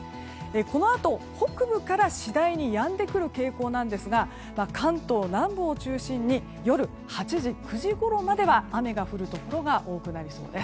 このあと、北部から次第にやんでくる傾向なんですが関東南部を中心による８時、９時ごろまでは雨が降るところが多くなりそうです。